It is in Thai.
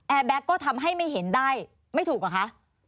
แบ็คก็ทำให้ไม่เห็นได้ไม่ถูกเหรอคะ